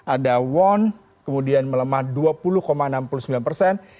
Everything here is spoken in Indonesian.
ada won kemudian melemah dua puluh enam puluh sembilan persen